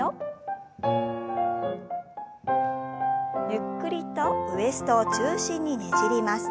ゆっくりとウエストを中心にねじります。